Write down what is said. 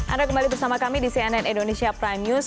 anda kembali bersama kami di cnn indonesia prime news